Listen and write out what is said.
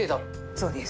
そうです。